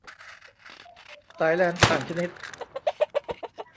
สายแลนต่างชนิด